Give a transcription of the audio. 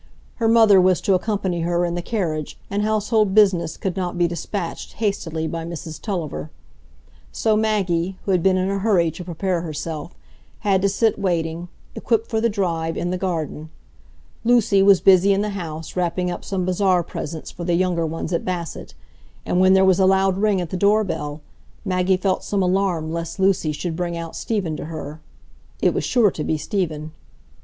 Her mother was to accompany her in the carriage, and household business could not be dispatched hastily by Mrs Tulliver. So Maggie, who had been in a hurry to prepare herself, had to sit waiting, equipped for the drive, in the garden. Lucy was busy in the house wrapping up some bazaar presents for the younger ones at Basset, and when there was a loud ring at the door bell, Maggie felt some alarm lest Lucy should bring out Stephen to her; it was sure to be Stephen.